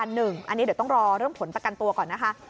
อันนี้เดี๋ยวต้องรอเรื่องผลประกันตัวก่อนนะคะ